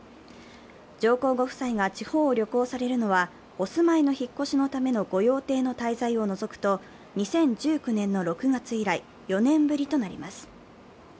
上皇ご夫妻が地方を旅行され宇野はお住まいの引っ越しのための御用邸の滞在を除くと２０１９年の６月以来、４年ぶりとなります。